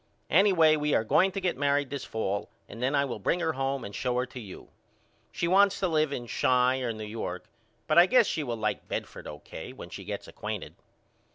Anyway we are going to get married this fall and then I will bring her home and show her to you. She wants to live in Chi or New York but I guess she will like Bedford O.K. when she gets acquainted.